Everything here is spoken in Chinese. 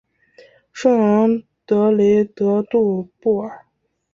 圣昂德雷德杜布尔。